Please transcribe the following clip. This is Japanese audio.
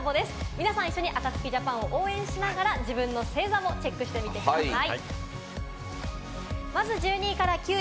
皆さん、一緒にＡＫＡＴＳＵＫＩＪＡＰＡＮを応援しながら自分の星座もチェックしてみてください。